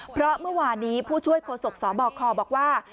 เพราะเมื่อวานี้ผู้ช่วยโครสกศาสตร์บอกคอว่า